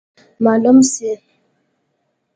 معلومه سي.